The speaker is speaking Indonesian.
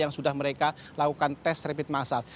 yang sudah mereka lakukan tes rapid massal